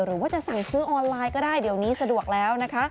หรือว่าจะสั่งซื้อออนไลน์ก็ได้เดี๋ยวนี้สะดวกแล้วนะคะ